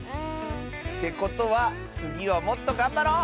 てことはつぎはもっとがんばろう！